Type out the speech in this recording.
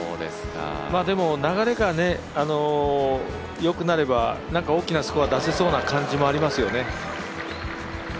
でも流れがよくなれば、大きなスコア出せそうな感じもありますよね。